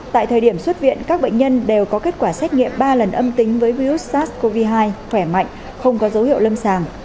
tại thời điểm xuất viện các bệnh nhân đều có kết quả xét nghiệm ba lần âm tính với virus sars cov hai khỏe mạnh không có dấu hiệu lâm sàng